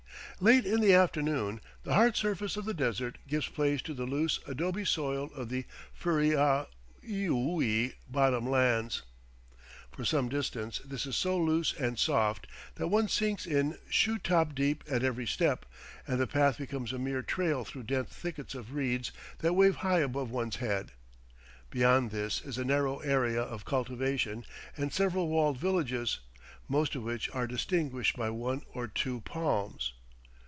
Late in the afternoon the hard surface of the desert gives place to the loose adobe soil of the Furi ah Eooi bottom lands. For some distance this is so loose and soft that one sinks in shoe top deep at every step, and the path becomes a mere trail through dense thickets of reeds that wave high above one's head. Beyond this is a narrow area of cultivation and several walled villages, most of which are distinguished by one or two palms.